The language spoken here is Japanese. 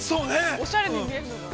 ◆おしゃれに見えるのが。